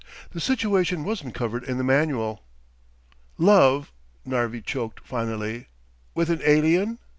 The situation wasn't covered in the manual. "Love," Narvi choked finally. "With an alien?